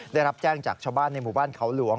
ได้รับแจ้งจากชาวบ้านในหมู่บ้านเขาหลวง